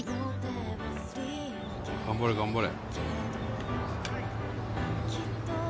頑張れ頑張れ！